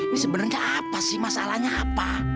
ini sebenarnya apa sih masalahnya apa